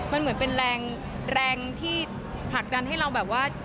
มันเหมือนเป็นแรงที่ผลักดันให้เราแบบว่า